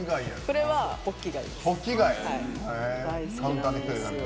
これはホッキガイです。